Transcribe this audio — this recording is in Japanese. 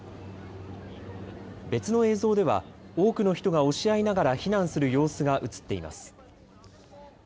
別の映像では多くの人が押し合いながら避難する様子が写っています。